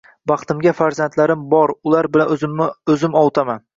Baxtimga farzandlarim bor ular bilan oʻzimni oʻzim ovutaman...